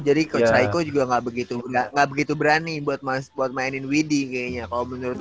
jadi coach taiko juga ga begitu ga begitu berani buat mainin widhi kayaknya kalo menurut gue